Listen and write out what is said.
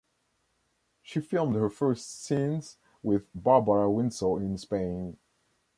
She filmed her first scenes with Barbara Windsor in Spain.